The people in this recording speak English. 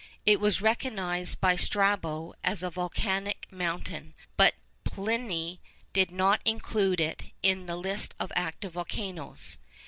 It was recognised by Strabo as a volcanic mountain, but Pliny did not include it in the list of active volcanoes.